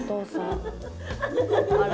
あら！